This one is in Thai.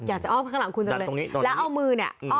อ้อมข้างหลังคุณจังเลยตรงนี้แล้วเอามือเนี่ย